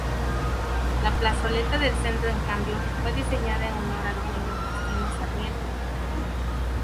La plazoleta del centro en cambio, fue diseñada en honor a Domingo Faustino Sarmiento.